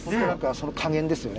その加減ですよね。